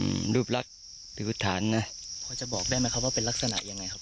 อืมรูปลักษณ์หรือฐานนะพอจะบอกได้ไหมครับว่าเป็นลักษณะยังไงครับ